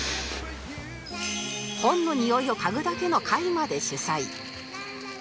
本の匂いを嗅ぐだけの会まで主催